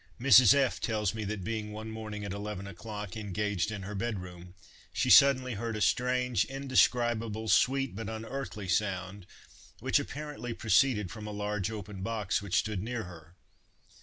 Mrs. F—— tells me that, being one morning, at eleven o'clock, engaged in her bed room, she suddenly heard a strange, indescribable, sweet, but unearthly sound, which apparently proceeded from a large open box which stood near her.